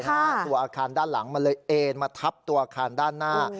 ตัวอาคารด้านหลังมันเลยเอ็นมาทับตัวอาคารด้านหน้า